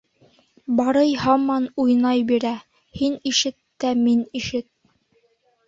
Барый һаман уйнай бирә. һин ишет тә мин ишет.